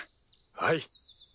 はい。